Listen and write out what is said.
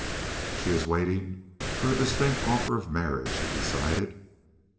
"She is waiting for a distinct offer of marriage," he decided.